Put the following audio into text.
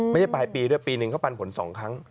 ปลายปีด้วยปีหนึ่งเขาปันผล๒ครั้ง